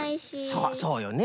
そうそうよね。